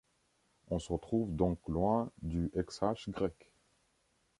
On se trouve donc loin du Xh grec.